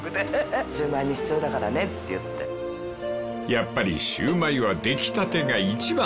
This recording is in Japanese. ［やっぱりシューマイは出来たてが一番］